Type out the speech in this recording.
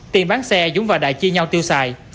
tiền bán xe dũng và đại chia nhau tiêu xài